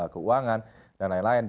keuangan dan lain lain